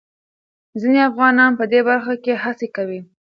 ځينې افغانان په دې برخه کې هڅې کوي.